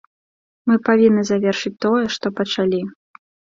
Мы павінны завершыць тое, што пачалі.